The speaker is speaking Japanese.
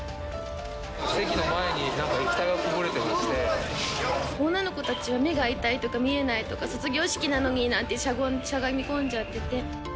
席の前に、女の子たちが目が痛いとか、見えないとか、卒業式なのになんてしゃがみ込んじゃってて。